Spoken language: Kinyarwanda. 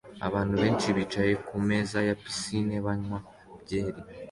Abantu benshi bicaye kumeza ya picnic banywa byeri